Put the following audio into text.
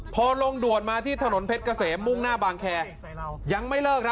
พอลงด่วนมาที่ถนนเพชรเกษมมุ่งหน้าบางแคยังไม่เลิกนะ